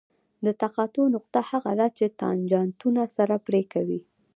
د تقاطع نقطه هغه ده چې تانجانتونه سره پرې کوي